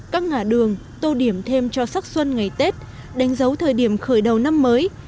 các ngã đường tô điểm thêm cho sắc xuân ngày tết đánh dấu thời điểm khởi đầu năm mới